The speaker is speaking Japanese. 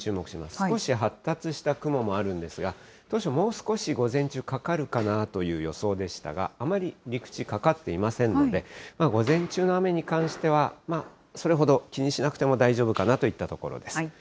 少し発達した雲もあるんですが、当初、もう少し午前中、かかるかなという予想でしたが、あまり陸地、かかっていませんので、午前中の雨に関しては、それほど気にしなくても大丈夫かなといったところです。